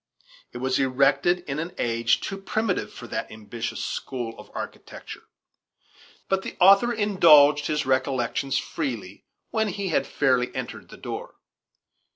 It was erected in an age too primitive for that ambitious school of architecture. But the author indulged his recollections freely when he had fairly entered the door.